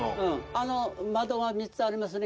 あの窓が３つありますね